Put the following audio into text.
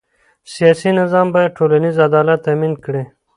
سیاسي نظام باید ټولنیز عدالت تأمین کړي